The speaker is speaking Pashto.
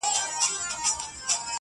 بېشکه مرګه چي زورور یې؛